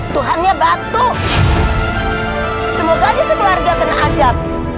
tuhannya bantu semoga aja sih keluarga kena ajak